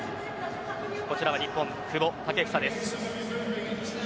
こちらは日本、久保建英です。